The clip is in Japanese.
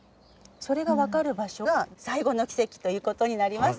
それが分かる場所が最後のキセキという事になります。